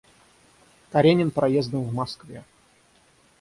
Каренин проездом в Москве.